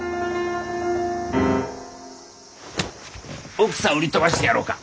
奥さん売り飛ばしてやろうか？